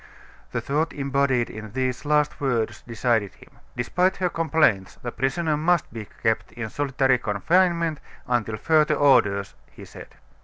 The thought embodied in these last words decided him. "Despite her complaints the prisoner must be kept in solitary confinement until further orders," he said.